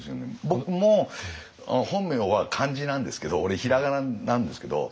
僕も本名は漢字なんですけど俺平仮名なんですけど。